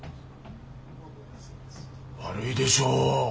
悪いでしょう。